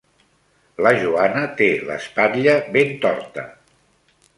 La Joana té l'espatlla ben torta.